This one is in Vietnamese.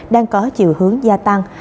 đang có chiều hướng gia tăng